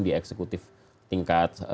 di eksekutif tingkat